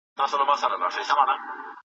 د فاضله ښار کتاب د چا اثر دی؟